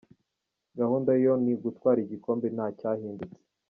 Gahunda yo ni ugutwara igikombe nta cyahindutse.